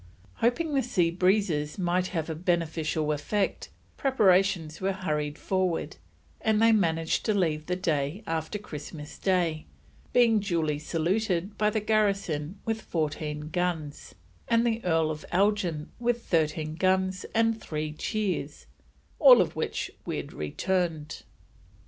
Hoping the sea breezes might have a beneficial effect, preparations were hurried forward, and they managed to leave the day after Christmas Day, being duly saluted by the garrison with fourteen guns, and the Earl of Elgin with thirteen guns and three cheers, "all of which we return'd."